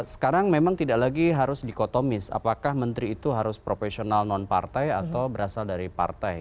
sekarang memang tidak lagi harus dikotomis apakah menteri itu harus profesional non partai atau berasal dari partai